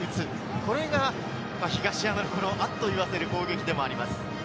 これが東山のあっと言わせる攻撃でもあります。